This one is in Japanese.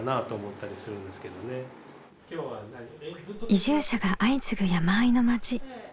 移住者が相次ぐ山あいの町。